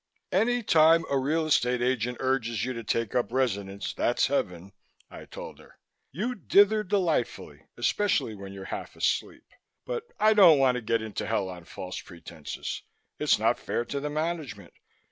"Any time a real estate agent urges you to take a residence, that's Heaven," I told her. "You dither delightfully, especially when you're half asleep. But I don't want to get into Hell on false pretenses. It's not fair to the management.